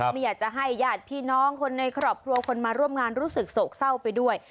ไม่อยากจะให้ญาติพี่น้องคนในครอบครัวคนมาร่วมงานรู้สึกโศกเศร้าไปด้วย